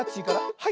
はい。